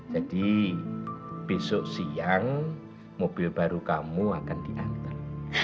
jadi besok siang mobil baru kamu akan diantar